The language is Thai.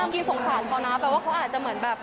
กินสงสารเขานะแปลว่าเขาอาจจะเหมือนแบบ